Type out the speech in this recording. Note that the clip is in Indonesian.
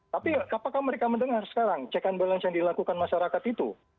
tapi apakah mereka mendengar sekarang check and balance yang dilakukan masyarakat itu